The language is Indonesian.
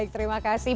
baik terima kasih